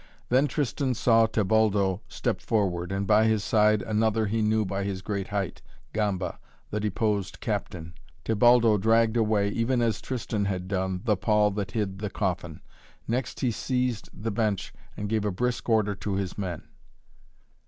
Then Tristan saw Tebaldo step forward, and by his side another he knew by his great height Gamba, the deposed captain. Tebaldo dragged away, even as Tristan had done, the pall that hid the coffin. Next he seized the bench and gave a brisk order to his men.